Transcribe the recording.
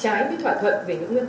gây phức tạp tình hình